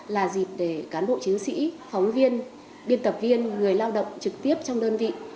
là dịp để cán bộ chiến sĩ phóng viên biên tập viên người lao động trực tiếp trong đơn vị